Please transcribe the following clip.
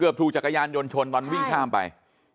เกือบทูจากกายานยนต์ชนวิ่งข้ามไป